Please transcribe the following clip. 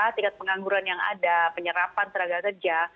tingkat pengangguran yang ada penyerapan teragak terja